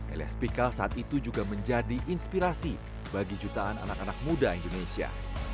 elias pikal saat itu juga menjadi inspirasi bagi jutaan anak anak muda indonesia